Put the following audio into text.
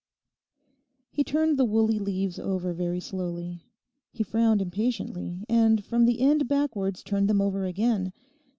He turned the woolly leaves over very slowly. He frowned impatiently, and from the end backwards turned them over again.